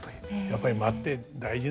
やっぱり間って大事なんだね。